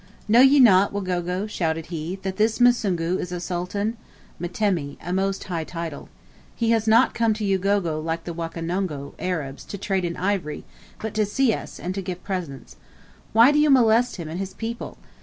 "Know ye not, Wagogo," shouted he, "that this Musungu is a sultan (mtemi a most high title). He has not come to Ugogo like the Wakonongo (Arabs), to trade in ivory, but to see us, and give presents. Why do you molest him and his people?